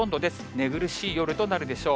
寝苦しい夜となるでしょう。